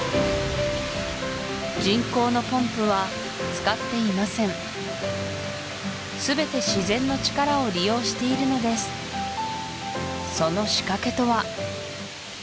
人工のポンプは使っていません全て自然の力を利用しているのですその仕掛けとは？